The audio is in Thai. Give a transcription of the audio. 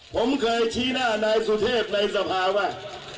ผมเคยชี้หน้านายสุเทพในสภาว่า